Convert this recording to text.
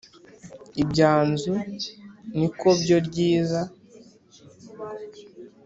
ibyanzu n’ikobyo ryiza